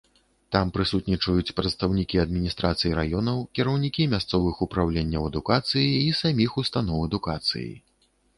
Там прысутнічаюць прадстаўнікі адміністрацый раёнаў, кіраўнікі мясцовых упраўленняў адукацыі і саміх установаў адукацыі.